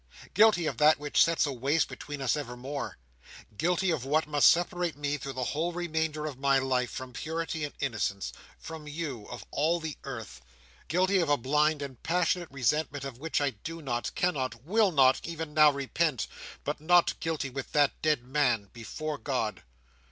Guilty of that which sets a waste between us evermore. Guilty of what must separate me, through the whole remainder of my life, from purity and innocence—from you, of all the earth. Guilty of a blind and passionate resentment, of which I do not, cannot, will not, even now, repent; but not guilty with that dead man. Before God!"